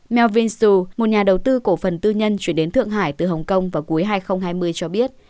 mel vinsu một nhà đầu tư cổ phần tư nhân chuyển đến thượng hải từ hồng kông vào cuối hai nghìn hai mươi cho biết